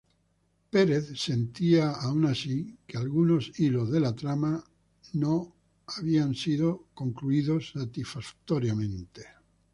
Smith sentía aún así, aquellos algunos hilos de la trama no fueron satisfactoriamente concluidos.